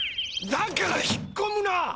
だから引っこむな！